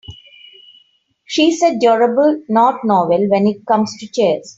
She said durable not novel when it comes to chairs.